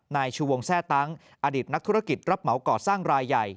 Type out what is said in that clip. นายชูวงแทร่ตั้งอดีตนักธุรกิจรับเหมาก่อสร้างรายใหญ่